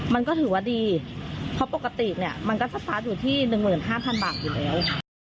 มันก็ถือว่าดีเพราะปกติเนี่ยมันก็สตาร์ทอยู่ที่๑๕๐๐บาทอยู่แล้ว